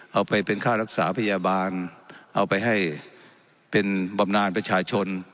เอาไปเป็นค่ารักษาพยาบาลเอาไปให้เป็นบำนานประชาชน